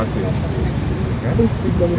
yang dulu yang menyebut mewah siapa